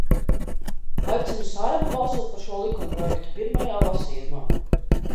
Aicinu Saeimu balsot par šo likumprojektu pirmajā lasījumā.